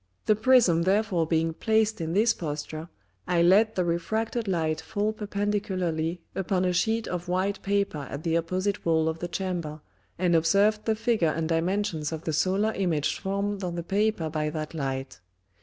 The Prism therefore being placed in this Posture, I let the refracted Light fall perpendicularly upon a Sheet of white Paper at the opposite Wall of the Chamber, and observed the Figure and Dimensions of the Solar Image formed on the Paper by that Light.